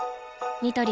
ニトリ